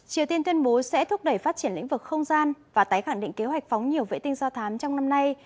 triều tiên tuyên bố sẽ thúc đẩy phát triển lĩnh vực không gian và tái khẳng định kế hoạch phóng nhiều vệ tinh do thám trong năm nay